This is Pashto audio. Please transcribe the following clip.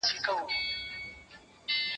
دوې یې سترګي وې په سر کي غړېدلې